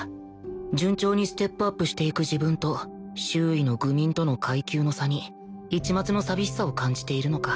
順調にステップアップしていく自分と周囲の愚民との階級の差に一抹の寂しさを感じているのか